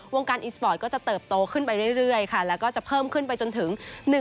วงการอีสปอร์ตก็จะเติบโตขึ้นไปเรื่อยค่ะแล้วก็จะเพิ่มขึ้นไปจนถึง